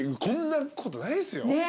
こんなことないですよ。